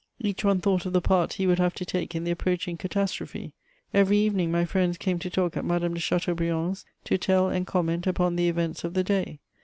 Each one thought of the part he would have to take in the approaching catastrophe. Every evening my friends came to talk at Madame de Chateaubriand's, to tell and comment upon the events of the day.